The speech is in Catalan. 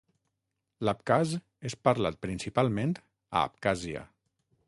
L'abkhaz és parlat principalment a Abkhàzia.